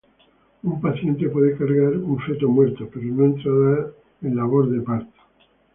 Un paciente puede cargar un feto muerto pero no entrará en labor de parto.